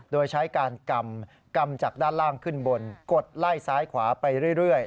โดยใช้การกำจากด้านล่างขึ้นบนกดไล่ซ้ายขวาไปเรื่อย